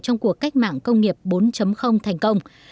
trong cuộc cách mạng công nghiệp bốn thành công